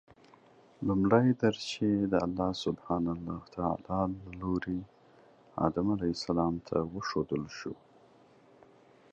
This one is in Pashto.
لومړی درس چې الله سبحانه وتعالی له لوري آدم علیه السلام ته وښودل شو